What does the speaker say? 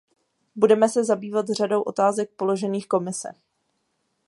Budeme se zabývat řadou otázek položených Komisi.